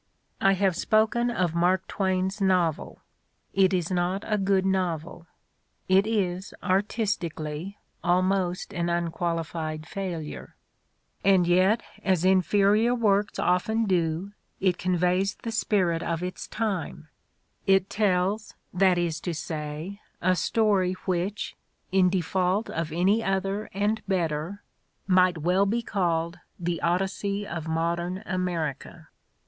I have spoken of Mark Twain's novel. It is not a good novel; it is, artistically, almost an unqualified failure. And yet, as inferior works often do, it con veys the spirit of its time; it teUs, that is to say, a story which, in default of any other and better, might 56 The Ordeal of Mark Twain well be called the Odyssey of modern America.